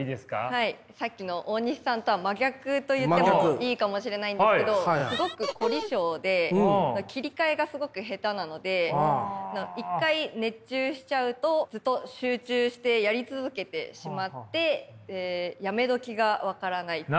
はいさっきの大西さんとは真逆と言ってもいいかもしれないんですけどすごく凝り性で切り替えがすごく下手なので一回熱中しちゃうとずっと集中してやり続けてしまってやめ時が分からないっていう。